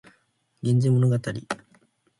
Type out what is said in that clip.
源氏物語